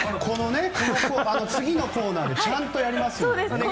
次のコーナーでちゃんとやりますから。